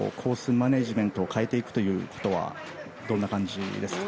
マネジメントを変えていくということはどんな感じですか。